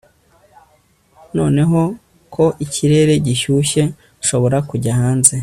Noneho ko ikirere gishyushye nshobora kujya hanze